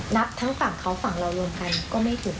นับทั้งฝั่งเขาฝั่งเรารวมกันก็ไม่ถึง